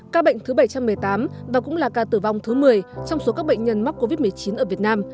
ca bệnh thứ bảy trăm một mươi tám và cũng là ca tử vong thứ một mươi trong số các bệnh nhân mắc covid một mươi chín ở việt nam